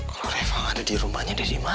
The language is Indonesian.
kalau reva ada di rumahnya dia di mana ya